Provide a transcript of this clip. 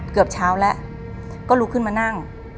เกือบเช้าแล้วก็ลุกขึ้นมานั่ง